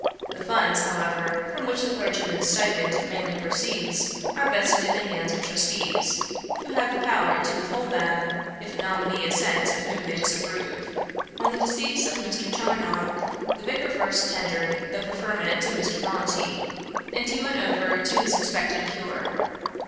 The funds, however, from which the clergyman's stipend mainly proceeds, are vested in the hands of trustees, who have the power to withhold them, if a nominee is sent of whom they disapprove. On the decease of Mr. Charnock, the Vicar first tendered the preferment to Mr. Bronte, and he went over to his expected cure.